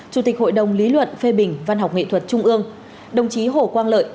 chủ tịch hội đồng lý luận phê bình văn học nghệ thuật trung ương đồng chí hồ quang lợi